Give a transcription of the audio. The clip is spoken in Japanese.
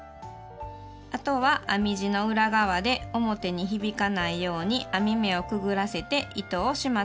あとは編み地の裏側で表に響かないように編み目をくぐらせて糸を始末します。